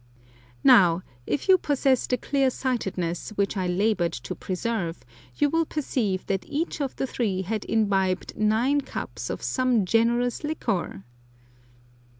Now, if you possess the clear sightedness which I laboured to preserve, you will perceive that each of the three had inbibed nine cups of some generous liquor!